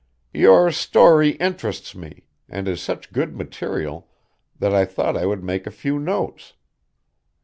"Your story interests me, and is such good material that I thought I would make a few notes.